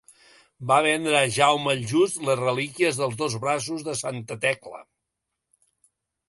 Va vendre a Jaume el Just les relíquies dels dos braços de santa Tecla.